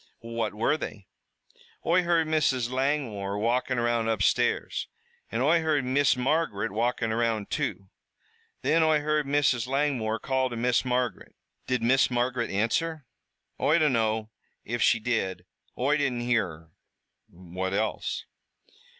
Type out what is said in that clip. "What were they?" "Oi heard Mrs. Langmore walkin' around upstairs, an' Oi heard Miss Margaret walkin' around, too. Then Oi heard Mrs. Langmore call to Miss Margaret." "Did Miss Margaret answer?" "Oi dunno if she did, Oi didn't hear her." "What else?"